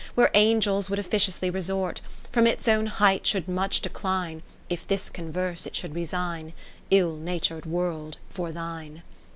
Where Angels would officiously re sort. From its own height should much decline, If this converse it should resign (Ill natur'd World !) for thine.